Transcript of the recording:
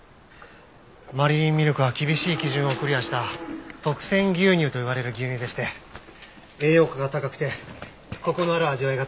マリリンミルクは厳しい基準をクリアした特選牛乳と言われる牛乳でして栄養価が高くてコクのある味わいが楽しめます。